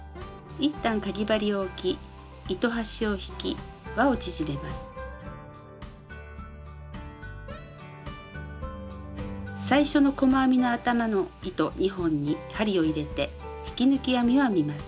一旦かぎ針を置き最初の細編みの頭の糸２本に針を入れて引き抜き編みを編みます。